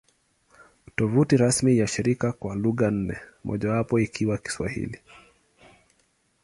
Tovuti rasmi ya shirika kwa lugha nne, mojawapo ikiwa Kiswahili